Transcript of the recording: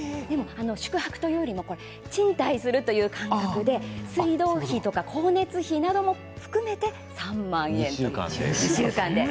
宿泊というよりも賃貸するという感覚で水道費、光熱費なども含めて３万円です、２週間で。